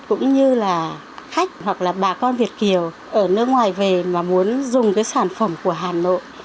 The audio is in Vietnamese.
cũng như là khách hoặc là bà con việt kiều ở nước ngoài về mà muốn dùng cái sản phẩm của hà nội